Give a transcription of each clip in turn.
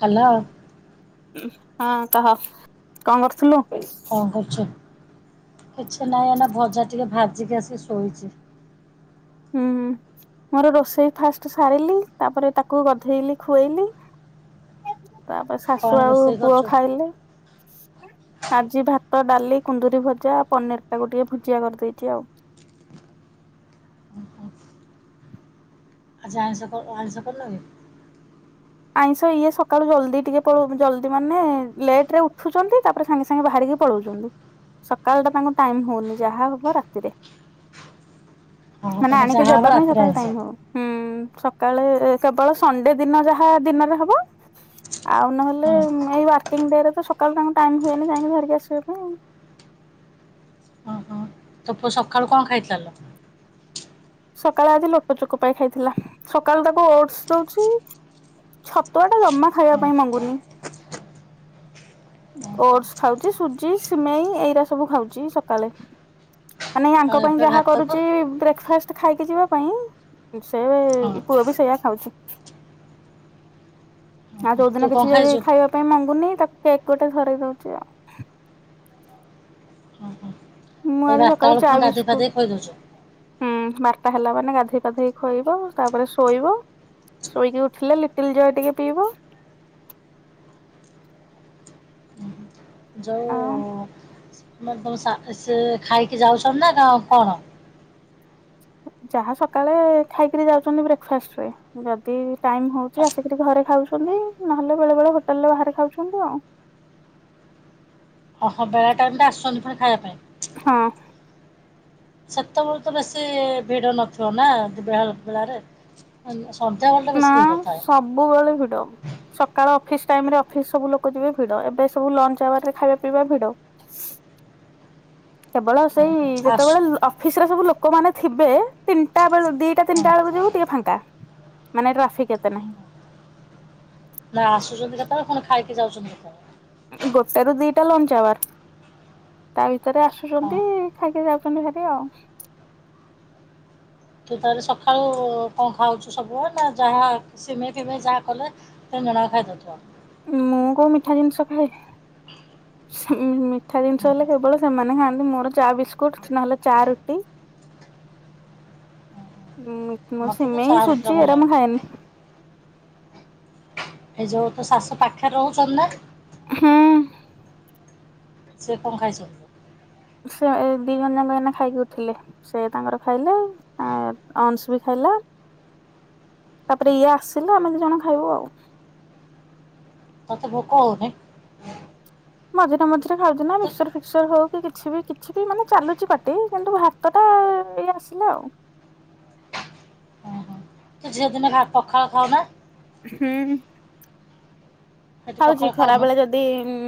Hello. ହଁ କହ କଣ କରୁଥିଲୁ? କଣ କରୁଛୁ? କିଛି ନାହିଁ ଏଇନା ଭଜା ଟିକେ ଭାଜିକି ଆସିକି ଶୋଇଛି। ହୁଁ ମୋର ରୋଷେଇ ଫାଷ୍ଟ ସାରିଲି ତାପରେ ତାକୁ ଗାଧେଇଲି ଖୁଆଇଲି ତାପରେ କଣ ଶାଶୁ ଆଉ ରୋଷେଇ ପୁଅ କରୁଛୁ? ଖାଇଲେ। ଆଜି ଭାତ, ଡାଲି, କୁନ୍ଦୁରି ଭଜା, ପନିର ତାକୁ ଟିକେ ଭୁଜିଆ କରିଦେଇଛି ଆଉ। ଆଜି ଆଇଁଷ କରିନୁ ଆଇଁଷ କରିନ କି? ଆଇଁଷ ଇଏ ସକାଳୁ ଜଲ୍ଦି ଟିକେ ପ ଜଲଦି ମାନେ ଲେଟ ରେ ଉଠୁଛନ୍ତି ତାପରେ ସାଙ୍ଗେ ସାଙ୍ଗେ ବାହାରିକି ପଳଉଛନ୍ତି ସକାଳ ଟା ତାଙ୍କୁ ଟାଇମ ହଉନି ଯାହା ହବ ରାତିରେ। ହଁ ମାନେ ତମର ଆଣିକି ଯାହା ହବ ଦେବା ପାଇଁ ରାତିରେ ସକାଳେ ଆଇଁଷ। ଟାଇମ ହବ ହୁଁ ସକାଳେ କେବଳ ସଣ୍ଡେ ଦିନ ଯାହା ହଁ ଦିନରେ ହବ ଆଉ ନହେଲେ ହଁ ଏଇ ୱାର୍କିଂ ଡ଼େ ରେ ତ ସକାଳୁ ତାଙ୍କୁ ଟାଇମ ହୁଏନି ଯାଇକି ଧରିକି ଆସିବା ପାଇଁ। ତ ପୁଅ ସଖାଳୁ କଣ ଖାଇଥିଲା ଲୋ? ସକାଳେ ଆଜି ଲୋଟ ଚୋକ ପାଇ ଖାଇଥିଲା ସକାଳୁ ତାକୁ ଓଟସ ଦଉଛି। ଛତୁଆ ଟା ଜମା ଖାଇବା ହଁ ପାଇଁ ମାଗୁଁ ନି। ହଁ ହଁ। ଓଟସ ଖାଉଛି ସୁଜି ସିମେଇ ଏଇରା ସବୁ ଖାଉଛି ସକାଳେ। ମାନେ ୟା ଆଉ ଙ୍କ ପାଇଁ ଏବେ ଯାହା ଭାତକୁ କରୁଛି ବ୍ରେକଫାଷ୍ଟ ତେ ଖାଇକି ଯିବା ପାଇଁ ସେ ହଁ ହଁ ପୁଅ ବି ସେଇୟଆ ଖାଉଛି। ଆଉ ହଁ। ତୁ ଯୋଉଦିନ କଣ କିଛି ଯଦି ଖାଇଛୁ? ଖାଇବା ପାଇଁ ମଗୁଁନି ତାକୁ କେକ୍ ଗୋଟେ ଧରେଇ ଦଉଛି ଆଉ। ଓହୋ। ମୁଁ ଆଜି ସକାଳେ ଚା, ବିସ୍କୁଟ। ହୁଁ ବାରଟା ହେଲା ମାନେ ଗାଧୋଇ ପାଧେଇ ଖୋଇବ ତାପରେ ଶୋଇବ। ଶୋଇକି ଉଠିଲେ ଲିଟିଲ ଜୟ ଟିକେ ପିଇବ। [unintelligible] ମ ତମ ସେ ଖାଇକି ଯାଉଛନ୍ତି ନା କ କଣ? ଯାହା ସକାଳେ ଖାଇକିରି ଯାଉଛନ୍ତି ବ୍ରେକ୍ଫାଷ୍ଟ ରେ। ଯଦି ଟାଇମ ହଉଛି ଆସିକିରି ଘରେ ଖାଉଛନ୍ତି। ନହେଲେ ବେଳେ ବେଳେ ହୋଟେଲରେ ବାହାରେ ଖାଉଛନ୍ତି ଆଉ। ଓହୋ ବେଳା ଟାଇମ ଟେ ଆସୁଛନ୍ତି ପୁଣି ଖାଇବା ପାଇଁ। ହଁ। ସେତେବେଳେ ତ ବେଶୀ ଭିଡ ନଥିବ ନା ବେ ବେଳାରେ। ସଦା ବେଳେ ନା ସବୁବେଳେ ଭିଡ। ସକାଳ ଅଫିସ ଟାଇମ ରେ ଅଫିସ ସବୁ ଲୋକ ଯିବେ ଭିଡ ଏବେ ସବୁ ଲଞ୍ଚ ଆୱାର ରେ ଖାଇବା ପିଇବା ଭିଡ। [inaudible] କେବଳ ହଁ ସେଇ ହଁ ଆସୁ ଯେତେବେଳେ ଫିସରେ ସବୁ ଲୋକମାନେ ଥିବେ ତିନିଟା ବେଳେ ଦିଟା ହଁ ତିନିଟା ବେଳକୁ ଯିବୁ ଟିକେ ଫାଙ୍କା। ମାନେ ଟ୍ରାଫିକ୍ ଏତେ ନାହିଁ। ନା ଆସୁଛନ୍ତି କେତେବେଳେ କଣ ଖାଇକି ଯାଉଛନ୍ତି କେତବେଳେ? ଗୋଟେ ରୁ ଦିଟା ଲଞ୍ଚବାର। ତା ଭିତରେ ହଁ ଆସୁଛନ୍ତି ଖାଇକି ଯାଉଛନ୍ତି ଭାରି ଆଉ। ତୁ ତାହଲେ ସଖାଳୁ କଣ ଖାଉଛୁ ସବୁ ନା ଯାହା ସିମେଇ ଫିମେଇ ଯାହା କଲେ ତିନି ଜଣ ଆକ ଖାଇଦଉଥିବ। ମୁଁ କୋଉ ମିଠା ଜିନିଷ ଖାଏ। ହୁଁ ମିଠା ହୁଁ ଜିନିଷ ହେଲେ ହୁଁ କେବଳ ସେମାନେ ଖାଆନ୍ତି ମୋର ଚା, ବିସ୍କୁଟ ନହେଲେ ଚା, ରୁଟି। ଉଁ ମୁ ମୁଁ ମତେ ତ ସିମେଇ, ଚାହା ରୁଟି ଟା ସୁଜି ଭଲ ଏରା ଲାଗେ। ମୁଁ ଖାଏନି। ଏ ଯୋଉ ତୋ ଶାଶୁ ପାଖେରେ ରହୁଚନ ନା? ହୁଁ। ସେ କଣ ଖାଇଛନ୍ତି? ସେ ଦି ଜଣ ଯାକ ଏଇନା ଖାଇକି ଉଠିଲେ। ସେ ତାଙ୍କର ଖାଇଲେ ଏ ଅନ୍ସ ବି ଖାଇଲା। ତାପରେ ଇଏ ଆସିଲେ ଆମେ ଦି ଜଣ ଖାଇବୁ ଆଉ। ତତେ ଭୋକ ହଉନି? ମଝିରେ ମଝିରେ ଖାଉଚି ନା ତୁ ମିକ୍ସର ଫିକସର୍ ହଉ କି କିଛି ବି କିଛି ବି ମାନେ ଚାଲୁଚି ପାଟି କିନ୍ତୁ ଭା ତଟା ଏଇ ଆସିଲା ଆଉ। ଓହୋ ତୁ ଝିଅ ଦିନେ ଭା ପଖାଳ ଖାଉ ନା? ହୁଁ। ସେଠି ଖାଉଚି ପଖାଳ ଖାଉନୁ? ଖରାବେଳେ ଯଦି ଉଁ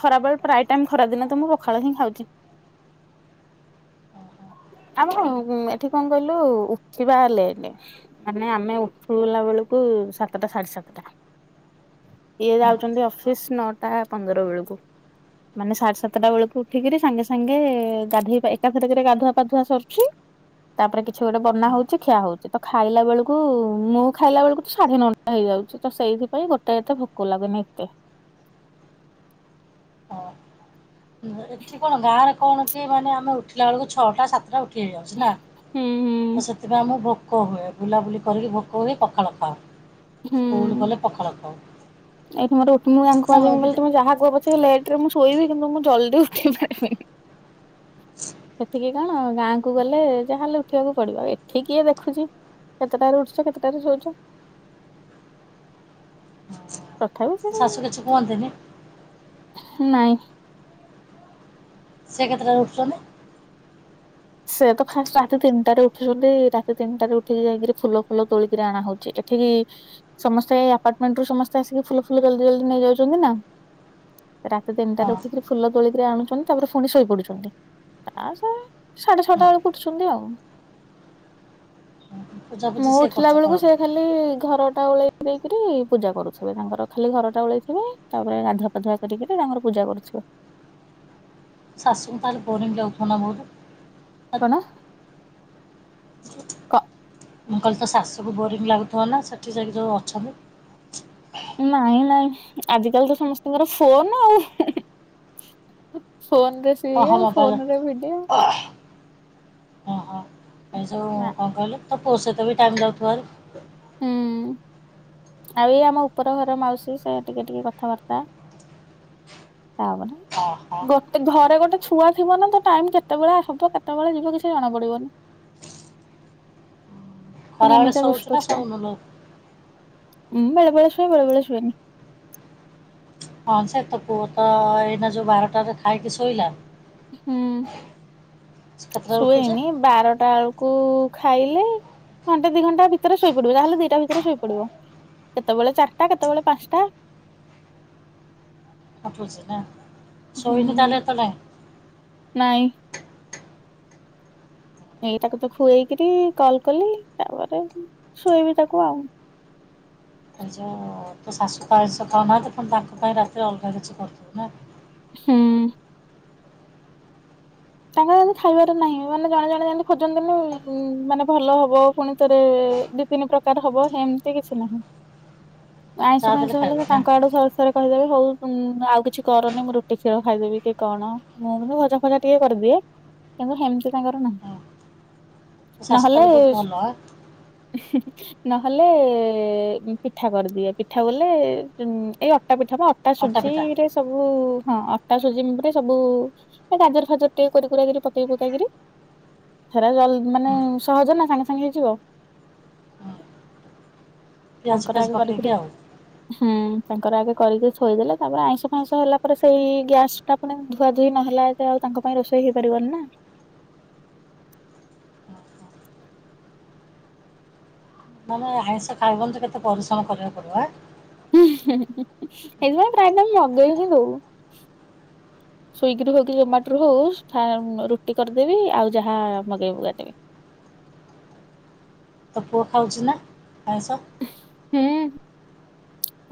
ଖରାବେଳେ ପ୍ରାୟେ ଟାଇମ ଖରା ଦିନେ ତ ମୁଁ ପଖାଳ ହିଁ ଖାଉଚି। ଆମ ଉଁ ଏଠି କଣ କହିଲୁ ଉଠିବା ଲେଟ୍। ମାନେ ଆମେ ଉଠୁଲା ବେଳୁକୁ ସାତଟା ସାଢେ ସାତଟା। ଇଏ ହୁଁ ଯାଉଚନ୍ତି ଅଫିସ ନଅଟା ପନ୍ଦର ବେଳୁକୁ। ମାନେ ସାଢେ ସାତଟା ବେଳୁକୁ ଉଠିକିରି ସାଙ୍ଗେ ସାଙ୍ଗେ ଗାଧେଇବା ଏକାଥରେକେରେ ଗାଧୁଆ ପାଧୁଆ ସରୁଚି। ତାପରେ କିଛି ଗୋଟେ ବନା ହୁଁ ହଉଚି ଖିଆ ହଉଚି ତ ଖାଇଲା ବେଳୁକୁ ମୁଁ ଖାଇଲା ବେଳୁକୁ ତ ସାଢ଼େ ନଅ ହେଇଯାଉଚି ତ ସେଇଥିପାଇଁ ଗୋଟେ ଏତେ ଭୋକ ଲାଗେନି ଏତେ। ହଁ। ଏଠି କଣ ଗାଁରେ କଣ କି ମାନେ ଆମେ ଉଠିଲା ବେଳୁକୁ ଛଅଟା ସାତଟା ଉଠ କିଏ ଯାଉଛି ନା ହୁଁ ତ ସେଥିପାଇଁ ଆମୁକୁ ଭୋକ ହୁଏ। ବୁଲାବୁଲି କରିକି ଭୋକ ହୁଏ ପଖାଳ ହୁଁ ଖାଅ ସ୍କୁଲ ହୁଁ ଗଲେ ପଖାଳ ଖାଉ। ଏଇଠି ମୋର ଉଠୁ ମୁଁ ଆଙ୍କୁ ନା କହିଲି ମୁଁ ବି କହିଲି ତୁମେ ଯାହା କୁହ ପଛେ ଲେଟ୍ ରେ ମୁଁ ଶୋଇବି କିନ୍ତୁ ମୁଁ ଜଲଦି ଉଠି ପାରିବିନି। ସେଠିକି କଣ ଗାଁ କୁ ଗଲେ ଯାହା ହେଲେ ଉଠିବାକୁ ପଡିବ ଏଠି କିଏ ଦେଖୁଚି। କେତେଟାରେ ଉଠୁଚ କେତେଟାରେ ଶୋଉଚ। ହଁ। ତଥାପି ସେ ଯୋଉ ନାଇଁ। ସେ କେତେଟାରେ ଉଠୁଚନ୍ତି? ସେ ତ ଫାଷ୍ଟ ରାତି ତିନିଟାରେ ଉଠୁଛନ୍ତି ରାତି ତିନିଟାରେ ଉଠିକି ଯାଇକିରି ଫୁଲ ଫୁଲ ତୋଳିକିରି ଆଣା ହଉଚି ଏ ଠିକି ସମସ୍ତେ ଆପାର୍ଟମେଣ୍ଟରୁ ସମସ୍ତେ ଆସିକି ଫୁଲ ଫୁଲ ଜଲଦି ଜଲଦି ନେଇଯାଉଚନ୍ତି ନା। ରାତି ହଁ। ତିନିଟାରେ ଉଠିକିରି ଫୁଲ ତୋଳିକିରି ଆଣୁଚନ୍ତି ତାପରେ ଫୁଣି ଶୋଇପଡୁଛନ୍ତି ତା ସ ସାଡେ ଛଅଟା ହୁଁ, ବେଳକୁ ଉଠୁଛନ୍ତି ଆଉ। ପୂଜାପୂଜି ମୁଁ ସିଏ ଉଠିଲା କରୁଛ ବେଳୁକୁ କରନ୍ତି ସିଏ ଖାଲି ଲି ଘର ଟା ଓଳେଇ ଦେଇକିରି ପୂଜା କରୁଥିବେ ତାଙ୍କର ଖାଲି ଘର ଟା ଓଳେଇଥିବେ। ତାପରେ ଗାଧୁଆ ପାଧୁଆ କରି କିରି ତାଙ୍କର ପୂଜା କରୁଥିବେ। ଶାଶୁଙ୍କୁ ତାହେଲେ ବୋରିଙ୍ଗ୍ ଲାଗୁଥିବ ନା ବହୁତ? କଣ? କ ମୁଁ କହିଲି ତୋ ଶାଶୁକୁ ବୋରିଙ୍ଗ୍ ଲାଗୁଥିବ ନା ସେଠି ଯାଇକି ଯୋଉ ଅଛନ୍ତି। ନାଇଁ ନାଇଁ ଆଜିିକାଲି ତ ସମସ୍ତିଙ୍କିିର ଫୋନ୍ ଆଉ ହେଁ ହେଁ। ଫୋନ୍ ରେ ଓହୋ ସିରିଏଲ୍ ମୋବାଇଲ୍ ଫୋନରେ ଭିଡିଓ। ଓହୋ। ଏ ସବୁ ନା କଣ କହିଲ ତ ପୁଅ ସହିତ ବି ଟାଇମ୍ ଯାଉଥିବ ହରି। ହୁଁ ଆଉ ଏଇ ଆମ ଉପର ଘର ମାଉସୀ ସେ ଟିକେ ଟିକେ କଥାବାର୍ତ୍ତା ତାପରେ ଓହୋ। ଗୋଟେ ଘରେ ଗୋଟେ ଛୁଆ ଥିବ ନା ତ ଟାଇମ୍ କେତେବେଳେ ହବ କେତେବେଳେ ଯିବ କିଛି ଜଣା ପଡିବନି। ପୁଣି ଖରାବେଳେ ଏମିତୀଆ ଶୋଉଛୁ ଦୁଷ୍ଟ ନା ଛୁଆ। ଶୋଉନୁ ଲୋ ମହୁଁ ବେଳେ ବେଳେ ଶୁଏ ବଳେବେଳେ ଶୁଏନି। ହଁ ସେ ତ ପୁଅ ତ ଏଇନା ଯୋଉ ବାରଟାରେ ଖାଇକି ଶୋଇଲା ହୁଁ ସେ କେତେଟାରେ ଉଠୁଛି ଶୁଏନି ବାରଟା ଆଳୁ କୁ ଖାଇଲେ ଘଣ୍ଟେ ଦି ଘଣ୍ଟା ଭିତରେ ଶୋଇ ପଡିବ ଯାହେଲେ ଦିଟା ଭିତରେ ଶୋଇ ପଡିବ। କେତେବେଳେ ଚାରିଟା କେତେବେଳେ ପାଞ୍ଚଟା। ଅଠର ଶ ନା? ହୁଁ ଶୋଇନି ତାହେଲେ ଏତେବେଳେ ନାଇଁ। ଏଇ ତାକୁ ତ ଖୁଏଇକରି କଲ୍ କଲି ତାପରେ ଶୁଏଇବି ତାକୁ ଆଉ। ଏ ଯୋଉ ତ ଶାଶୁ ତ ଆଇଷ ଖାଉନାହାନ୍ତି କଣ ତାଙ୍କ ପାଇଁ ରାତିରେ ଅଲଗା କିଛି କରିବୁ ନା? ହୁଁ। ତାଙ୍କର ଏମିତି ଖାଇବାରେ ନାହିଁ ମାନେ ଜଣେ ଜଣେ ଯେମିତି ଖୋଜନ୍ତିନି ମାନେ ଭଲ ହବ ପୁଣି ଥରେ ଡିପ୍ ତିନି ପ୍ରକାର ହବ ହେମିତି କିଛି ନାହିଁ। ଆଇଁଷ ଯାହା ଫାଇଁଷ ଦେଲେ ହେଲେ ସେ ଖାଇବେ ନା ତାଙ୍କ ଆଡୁ ସ ରେ କହିଦେବେ ହଉଁ ଉ ଆଉ କିଛି କରନି ମୁଁ ରୁଟି କ୍ଷୀର ଖାଇଦେବି କି କଣ ମୋର ମୁଁ ଭଜା ଫଜା କିଏ କରିଦିଏ କିନ୍ତୁ ହେମିତି ତାଙ୍କର ନାହିଁ। ହଁ ତୋ ଶାଶୁ ନହେଲେ ତାହେଲେ ବହୁତ ଭଲ ଆଁ ନହେଲେ ପିଠା କରିଦିଏ। ପିଠା ବୋଲେ ଉଁ ଏଇ ଅଟା ପିଠା ବା। ଟା ଅଟା ପିଠା ସୁଜିରେ ସବୁ ହଁ ଅଟା ସୁଜି ଉପରେ ସବୁ ଏ ଗାଜର ଫାଜର ଟିକେ କୁରି କୁରାକି ପକେଇ ପୁକାଇ କିରି ହେରା ଜଲ ମାନେ ହୁଁ ସହଜ ନା ସାଙ୍ଗେ ସାଙ୍ଗେ ହେଇଯିବ। ହୁଁ ପିଆଜ ତାଙ୍କର ଫିଆଜ ଆଗେ କରିକିରି ପକେଇକି ଆଉ ହୁଁ ତାଙ୍କର ଆଗେ କରିକି ଶୋଇଦେଲେ ତାପରେ ଆଇଁଷ ଫାଇଁଷ ହେଲା ପରେ ସେଇ ଗ୍ୟାସ ଟା ପେ ଧୁଆ ଧୁଇ ନହଲା ଯେତେ ଏ ଆଉ ତାଙ୍କ ପାଇଁ ରୋଷେଇ ହେଇପାରିବନି ନା। ମାନେ ଆଇଁଷ ଖାଇବନ ତ କେତେ ପରିଶ୍ରମ କରିବାକୁ ପଡିବ ଆଁ? ହେଇଥିପାଇଁ ପ୍ରାୟ ଟାଇମ୍ ମଗେଇ ହି ଦଉ। ସ୍ଵିଗିରୁ ହଉ କି ଜୋମାଟୋରୁ ହଉ ଫା ରୁଟି କରିଦେବି, ଆଉ ଯାହା ମଗେଇ ମୁଗାଇଦେବି। ତ ପୁଅ ଖାଉଚି ନା ଆଇଁସ? ହୁଁ।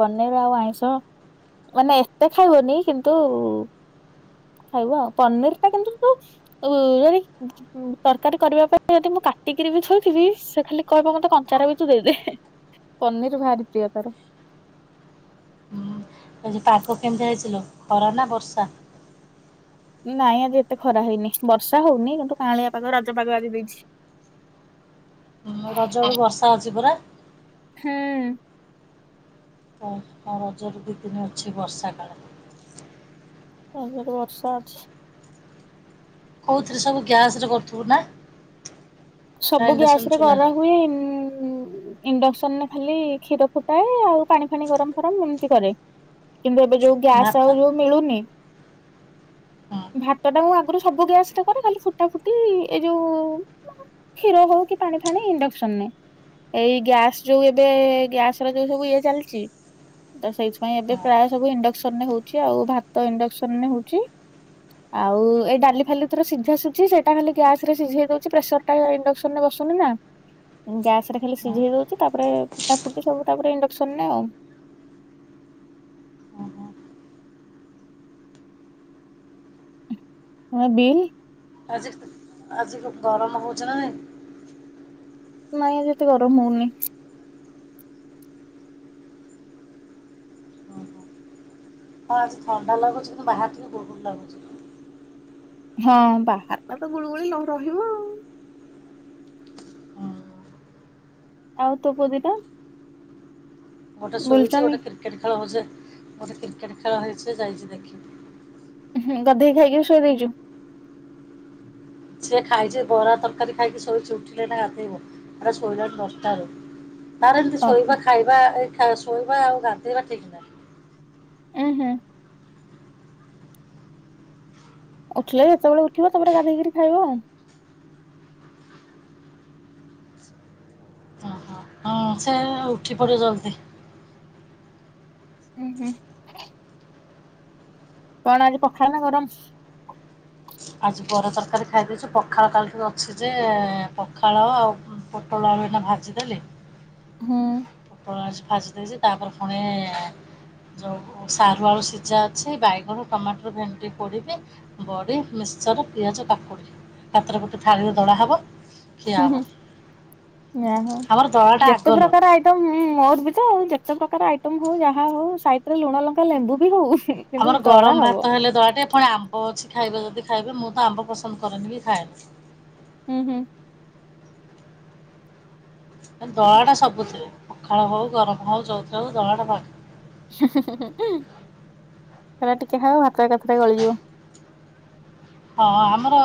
ପନିର ଆଉ ଆଇଁଷ ମାନେ ଏତେ ଖାଇବନି କିନ୍ତୁ ଖାଇବା ଆଉ ପନିର ଟା କିନ୍ତୁ ଯଉ ଅ ଯଦି ଉଁ ତରକାରୀ କରିବା ପାଇଁ ଯଦି ମୁଁ କାଟିକିରି ବି ଥୋଇଥିବି ସେ ଖାଲି କହିବ ମତେ କଞ୍ଚାରେ ବି ତୁ ଦେଇଦେ। ପନିର ଭାରି ପ୍ରିୟ ତାର। ହୁଁ ଆଜି ପାଗ କେମିତି ହେଇଚି ଲୋ ଖରା ନା ବର୍ଷା? ନାଇଁ ଆଜି ଏତେ ଖରା ହେଇନି। ବର୍ଷା ହଉନି କିନ୍ତୁ କାଆଁଳିଆ ପାାଗ ରଜପାଗ ଆଜି ଦେଇଚି। ଉଁ ରଜ ବେଳୁ ବର୍ଷା ଅଛି ପରା। ହୁଁ। ହଁ। ମଁ ରଜରେ ଦୁଇ ଦିନ ଅଛି ବର୍ଷା କାଳ। ରଜରେ ବର୍ଷା ଅଛି। କଉଁଥିରେ ସବୁ ଗ୍ୟାସ୍ରେ କରୁଥିବୁ ନା? ନା ସବୁ ଇଣ୍ଡକ୍ସନ ଗ୍ୟାସ ରେ କରା ଚୁଲାରେ ହୁଏ। ଇଣ୍ଡକ୍ସନ ରେ ଖାଲି କ୍ଷୀର ଫୁଟାଏ ଆଉ ପାଣି ଫାଣି ଗରମ ଫରମ ଏମିତି କରେ। କିନ୍ତୁ ଏବେ ଯୋଉ ଗ୍ୟାସ୍ ଭାତ ଆଉ ଯୋଉ ମିଳୁନି। ହଁ ଭାତ ଟା ମୁଁ ଆଗରୁ ସବୁ ଗ୍ୟାସ୍ ଟା କରେ ଖାଲି ଫୁଟା ଫୁଟି ଏଇ ଯୋଉ କ୍ଷୀର ହଉ କି ପାଣି ଫାାନ ଇଣ୍ଡକ୍ସନ ନେ ଏଇ ଗ୍ୟାସ ଯୋଉ ଏବେ ଗ୍ୟାସ ର ଯୋଉ ସବୁ ଇଏ ଚାଲିଛି। ତ ସେଇଥିପାଇଁ ଏବେ ହଁ ପ୍ରାୟ ସବୁ ଇଣ୍ଡକ୍ସନ ରେ ହଉଛି ଆଉ ଭାତ ଇଣ୍ଡକ୍ସନରେ ହଉଛି। ଆଉ ଏଇ ଡାଲି ଖାଲି ଥର ସିଝାସୁଛି ସେଟା ଖାଲି ଗ୍ୟାସ ରେ ସିଝେଇ ଦଉଛି ପ୍ରେସର ତା ଇଣ୍ଡକ୍ସନ ରେ ବଶୁନି ନା ଗ୍ୟାସ ରେ ଖାଲି ହଁ ସିଝଇ ଦଉଛି ତାପରେ ଫୁଟା ଫୁଟି ସବୁ ତାପରେ ଇଣ୍ଡକ୍ସନ ନେ ଆଉ ହଁ ହଁ ହଁ ବିଲ୍ ଆଜି ଆଜି ଗରମ ହଉଛି ନାଇ ନାଇଁ ଯେତେ ଗରମ ହଉନି। ହଁ ହଁ। ହଁ ଆଜି ଥଣ୍ଡା ଲାଗୁଛି କି ବାହାର ବି ବହୁତ ଲାଗୁଛି। ହଁ ବାହାର ତା ତ ଗୁଳୁଗୁଳି ନ ରହିବ ଆଉ। ହୁଁ ଆଉ ତୋ ବୋଦିଟା ଗୋଟେ ଶୋଇଛି ଗୋଟେ କ୍ରିକେଟ ଖେଳ ହଉଛେ ଗୋଟେ କ୍ରିକେଟ ଖେଳ ହେଇଛି ଯାଇଛି ଦେଖି ହୁଁ ଗାଧେଇକି ଖାଇକି ଶୋଇ ଦେଇଛୁ। ସିଏ ଖାଇଛି ବରା ତରକାରୀ ଖାଇକି ସୋଇଛି ଉଠିଲେ ନା ହାତେଇବ। ଆରେ ଶୋଇଲି ଦଶଟା ରେ। ନାର ଏମିତି ଓହୋ। ଶୋଇବା ଖାଇବା ଏ ଶୋଇବା ଆଉ ଗାଧେଇବା ଠିକ ନାହିଁ। ଉଁ ହୁଁ ଉଠିଲେ ଯେତେବେଳେ ଉଠିବ ତ ସେେବେଳେ ଗାଧେଇକରି ଖାଇବ ଆଉ। ଓହୋ ହଁ ସେ ଉଠି ପଡିବ ଜଲ୍ଦି। ହୁଁ ହୁଁ କଣ ଆଜି ପଖାଳ ନା ଗରମ। ଆଜି ପର ତରକାରୀ ଖାଇଦେଇଛୁ ପଖାଳ କାଳଠିକ ଅଛି ଯେ ପଖାଳ ଆଉ ପୋଟଳ ଆଳୁ ଏଇନା ଭାଜିଦେଲି। ହୁଁ ଫାଜି ଦେଇଛି ତାପରେ ପୁଣି ଯଉ ସାରୁ ଆଳୁ ସିଝା ଅଛି ବାଇଗଣ ଟମାଟର ଭେଣ୍ଡି ପୋଡିବେ। ବଡ଼ି, ମିକ୍ସଚର, ପିଆଜ, କାକୁଡ଼ି ପାତ୍ର ଗୋଟେ ଥାଳିରେ ଦଳା ହବ। ଖିଆ ହୁଁ ହବ ହୁଁ ଯା ହଉ ଆମର ଦଳାଟା ଯେତେ ଆଗ ଲୋ ପ୍ରକାର ଆଇ ଟମ୍ ମୋର ବି ତ ଆଉ ଯେତେ ପ୍ରକାର ଆଇଟମ୍ ହଉ ଯାହା ହଉ ସାଇଟରେ ଲୁଣ ଲଙ୍କା ଲେମ୍ବୁ ବି ହଉ। କିନ୍ତୁ ଆମର ଦଳା ଗରମ ହବ ଭାତ ହେଲେ ଦଳାଟେ ପୁଣି ଆମ୍ ମ୍ବ ଅଛି ଖାଇବେ ଯଦି ଖାଇବେ ମୁଁ ତ ଆମ୍ବ ପସନ୍ଦ କରେନି କି ଖାଏନି। ହୁଁ ହୁଁ। ଦଳାଅଳା ସବୁଥିରେ ପଖାଳ ହଉ ଗରମ ହଉ ଯଉଥି ହଉ ଦଳାଟା ହା ହା ହା ସେରା ଟିକେ ହବ ଭାତ ଏକାଥରେ ଗଳିଯିବ। ହଁ ଆମର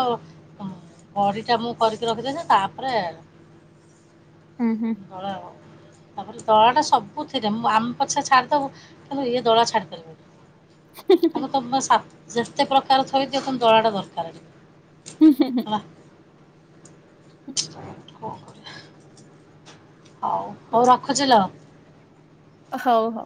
ବଡିଟା ମୁଁ କରିକି ରଖିଦେଇଛି ତାପରେ ହୁଁ ହୁଁ। ଦଳା ଆଉ। ତାପରେ ଦଳାଟା ସବୁଥିରେ ମୁଁ ଆମ୍ ପଛେ ଛାଡ଼ିଦେବୁ କିନ୍ତୁ ଇଏ ଦଳା ଛାଡ଼ିପାରିବେନି। [unintelligible] ମୁଁ ତମ ସାତ୍ ଯେତେ ପ୍ରକାର ଥୁଇଦିଅ କିନ୍ତୁ ଦଳାଟା ଦରକାର। ହୁଁ ହୁଁ ହୁଁ। ହେଲା। କଣ କରୁଚ? ହଉ ହଉ ରଖୁଛିଲୋ। ହଉ ହଉ।